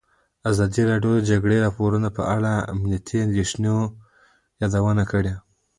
ازادي راډیو د د جګړې راپورونه په اړه د امنیتي اندېښنو یادونه کړې.